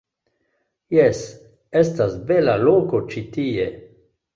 Jes, estas bela loko ĉi tie.